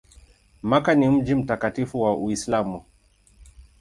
Makka ni mji mtakatifu wa Uislamu.